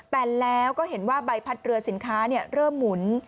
แต่แล้วก็เห็นว่าใบพัดเรือสินค้าเริ่มหมุน